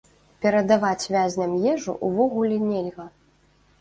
Перадаваць вязням ежу увогуле нельга.